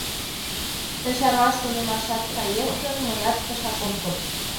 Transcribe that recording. Тый Чарлаш тунемаш кает гын, мыят тышак ом код!